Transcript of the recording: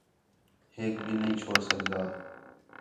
ہیک بھی نہیں چھوڑ سڳدا